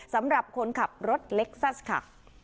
สำหรับคนขับรถเล็กซัสค่ะ